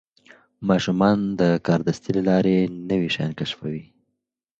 ماشومان د کاردستي له لارې نوي شیان کشفوي.